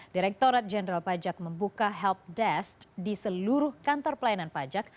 direkturat jenderal pajak membuka help desk di seluruh kantor pelayanan pajak